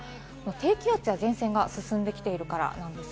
低気圧や前線が進んできているからです。